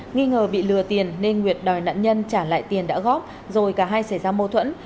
nghi ngờ bị lừa tiền nên nguyệt đòi nạn nhân trả lại tiền đã góp rồi cả hai xảy ra mâu thuẫn